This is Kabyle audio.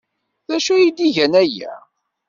D acu ay d-igan aya?